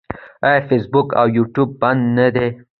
آیا فیسبوک او یوټیوب بند نه دي؟